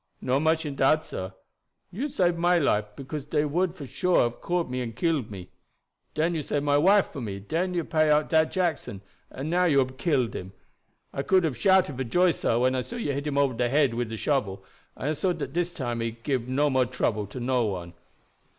"Not much in dat, sah. You sabe my life, because dey would, for suah, hab caught me and killed me. Den you save my wife for me, den you pay out dat Jackson, and now you hab killed him. I could hab shouted for joy, sah, when I saw you hit him ober de head wid de shovel, and I saw dat dis time he gib no more trouble to no one.